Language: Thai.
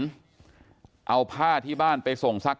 กลุ่มตัวเชียงใหม่